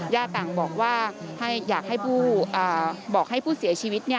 ญาติต่างบอกว่าอยากให้ผู้เสียชีวิต